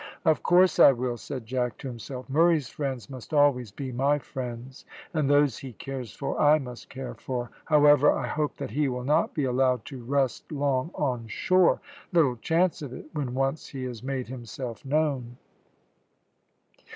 "Of course I will," said Jack to himself. "Murray's friends must always be my friends, and those he cares for I must care for; however, I hope that he will not be allowed to rust long on shore; little chance of it when once he has made himself known."